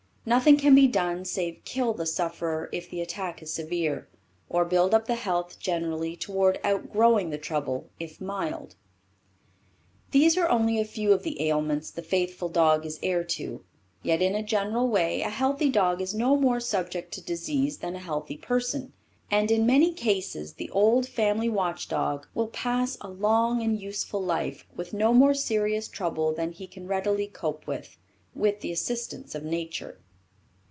Nothing can be done save kill the sufferer if the attack is severe, or build up the health generally, toward outgrowing the trouble, if mild. These are only a few of the ailments the faithful dog is heir to; yet in a general way, a healthy dog is no more subject to disease than a healthy person, and in many cases the old family watch dog will pass a long and useful life with no more serious trouble than he can readily cope with, with the assistance of nature.